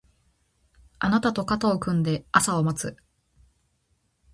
あなたと肩を組んで朝を待つ